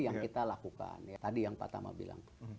yang kita lakukan ya tadi yang pak tama bilang